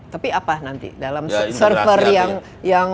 tapi apa nanti dalam server yang